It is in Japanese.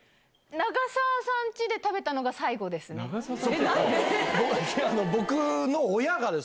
永沢さんちで食べたのが最後なんで？